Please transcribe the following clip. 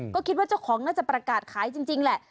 ก็คิดว่าเจ้าของน่าจะประกาศขายจริงแหละ